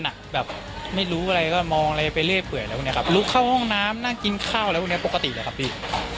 ถ้าทำผิดมันจะมีการระวังแต่นี่ไม่มี